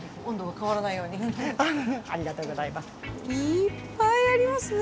いっぱいありますね。